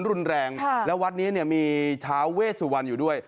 รุนแรงแล้ววัดนี้เนี่ยมีท้าเวสุวรรณอยู่ด้วย